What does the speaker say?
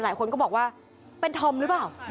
หลายคนก็บอกว่าเป็นธอมหรือเปล่า